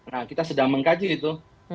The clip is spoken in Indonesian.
nah kita sedang mengkaji itu